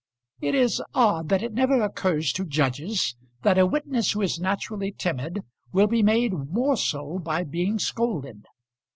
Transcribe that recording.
It is odd that it never occurs to judges that a witness who is naturally timid will be made more so by being scolded.